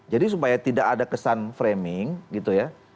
jadi supaya tidak ada kesan framing gitu ya